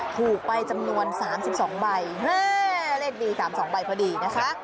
ถูกไปจำนวน๓๒ใบเลขดี๓๒ใบพอดีนะคะ